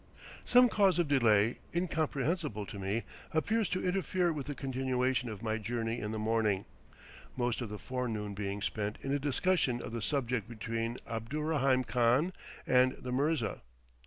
Some cause of delay, incomprehensible to me, appears to interfere with the continuation of my journey in the morning, most of the forenoon being spent in a discussion of the subject between Abdurraheim Khan and the mirza.